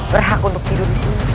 berhak untuk tidur di sini